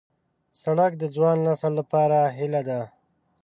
سړک د ځوان نسل لپاره هیله ده.